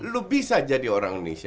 lu bisa jadi orang indonesia